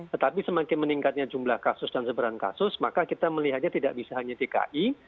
tetapi semakin meningkatnya jumlah kasus dan seberang kasus maka kita melihatnya tidak bisa hanya dki